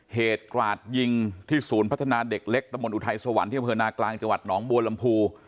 กราดยิงที่ศูนย์พัฒนาเด็กเล็กตะมนตอุทัยสวรรค์ที่อำเภอนากลางจังหวัดหนองบัวลำพู